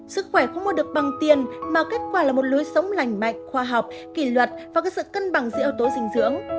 sức khỏe không mua được bằng tiền mà kết quả là một lối sống lành mạnh khoa học kỷ luật và sự cân bằng giữa yếu tố dinh dưỡng